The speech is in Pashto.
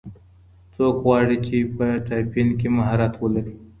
څوک غواړي چي په ټایپنګ کي مهارت ولري؟